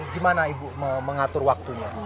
gimana ibu mengatur waktunya